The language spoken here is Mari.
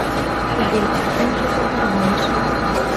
Кугергин ончыко тарваныш.